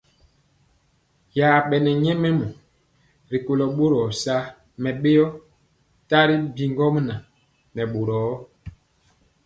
Yabɛne nyɛmemɔ rikolo boro saa mɛbeo tari bi ŋgomnaŋ nɛ boro.